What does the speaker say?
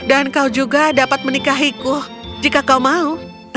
dan kau juga dapat menikahiku jika kau mau